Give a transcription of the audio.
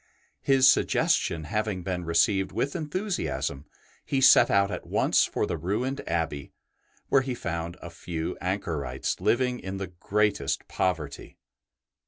His suggestion having been re ceived with enthusiasm, he set out at once for the ruined Abbey, where he found a few anchorites living in the greatest poverty.